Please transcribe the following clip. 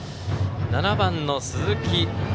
７番の鈴木。